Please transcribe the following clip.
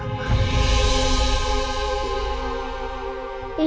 tadi saya cek gak ada apa apa